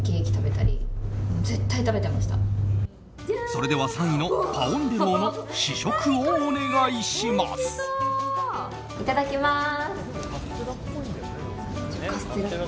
それでは３位のパォンデローの試食をお願いします。